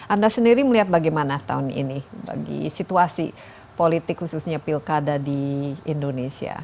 anda sendiri melihat bagaimana tahun ini bagi situasi politik khususnya pilkada di indonesia